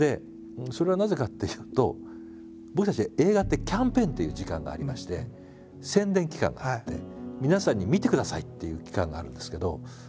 それはなぜかっていうと僕たちって映画ってキャンペーンっていう時間がありまして宣伝期間があって皆さんに見てくださいっていう期間があるんですけど。